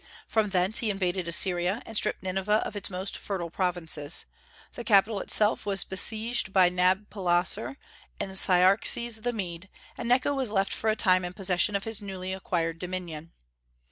From thence he invaded Assyria, and stripped Nineveh of its most fertile provinces. The capital itself was besieged by Nabopolassar and Cyaxares the Mede, and Necho was left for a time in possession of his newly acquired dominion.